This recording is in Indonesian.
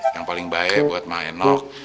yang paling baik buat mak enok